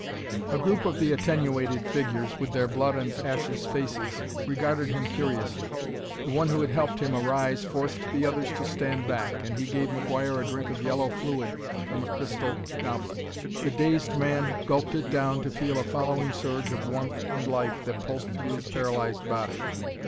A group of the attenuated figures, with their blood and ashes faces, regarded him curiously. The one who had helped him arise forced the others to stand back, and he gave McGuire a drink of yellow fluid from a crystal goblet. The dazed man gulped it down to feel a following surge of warmth and life that pulsed through his paralyzed body.